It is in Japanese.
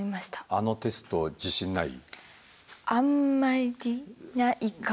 あのテスト自信ない？